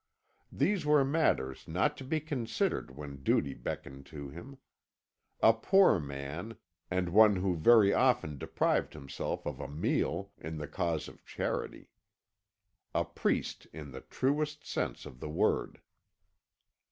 These were matters not to be considered when duty beckoned to him. A poor man, and one who very often deprived himself of a meal in the cause of charity. A priest in the truest sense of the word.